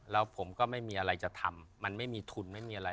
แล้วผมก็ไม่มีอะไรจะทำมันไม่มีทุนไม่มีอะไร